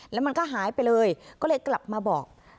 แล้วมันก็หายไปเลยก็เลยกลับมาบอก